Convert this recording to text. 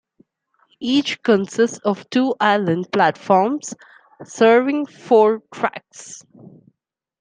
Each consists of two island platforms serving four tracks.